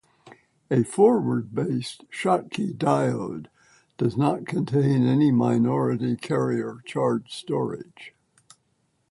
A forward-biased Schottky diode does not have any minority carrier charge storage.